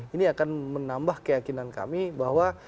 ini akan menambah keyakinan kami bahwa